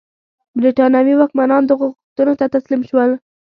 برېټانوي واکمنان دغو غوښتنو ته تسلیم شول.